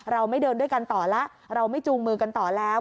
เราไม่เดินด้วยกันต่อแล้วเราไม่จูงมือกันต่อแล้ว